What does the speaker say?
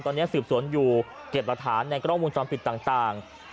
ตอนนี้สืบสวนอยู่เก็บหลักฐานในกล้องวงจรปิดต่าง